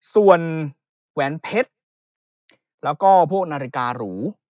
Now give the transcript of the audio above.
ส่วนแหวนเพชรแล้วก็พวกนาฬิการู